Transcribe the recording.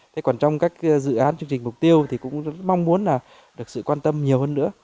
thế còn trong các dự án chương trình mục tiêu thì cũng mong muốn là được sự quan tâm nhiều hơn nữa